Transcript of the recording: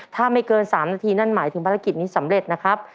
ถ้าไม่เกิน๓นาทีนั่นหมายถึงภารกิจนี้สำเร็จนะครับ